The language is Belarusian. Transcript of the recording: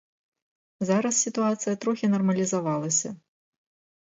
Зараз сітуацыя трохі нармалізавалася.